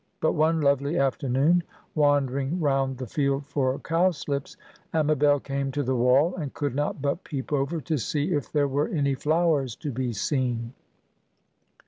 But one lovely afternoon, wandering round the field for cowslips, Amabel came to the wall, and could not but peep over to see if there were any flowers to be seen.